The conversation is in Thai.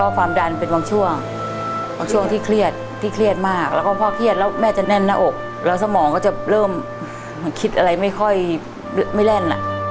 ผมก็จะเริ่มคิดอะไรไม่ค่อยไม่แร่น